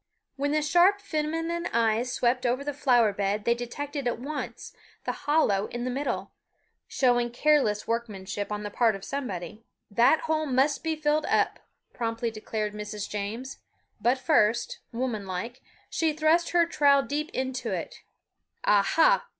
When the sharp feminine eyes swept over the flower bed they detected at once the hollow in the middle, showing careless workmanship on the part of somebody. "That hole must be filled up," promptly declared Mrs. James; but first, woman like, she thrust her trowel deep into it. "Aha!